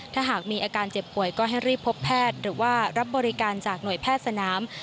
ถ้าหากมีอาการเจ็บป่วยก็ให้รีบพบแพทย์หรือว่ารับบริการจากหน่วยแพทย์สนาม